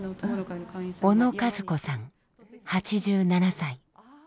小野和子さん８７歳。